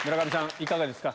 いかがですか？